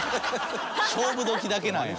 勝負時だけなんや。